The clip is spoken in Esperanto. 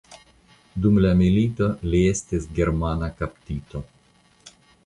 Dum la milito li estis germana kaptito.